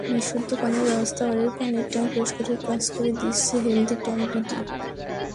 বিশুদ্ধ পানির ব্যবস্থাবাড়ির পানির ট্যাংক পরিষ্কারের কাজ করে দিচ্ছে হেলদি ট্যাংক বিডি।